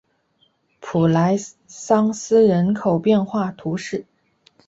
普莱桑斯人口变化图示